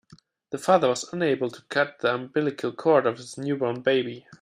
The father was unable to cut the umbilical cord of his newborn baby.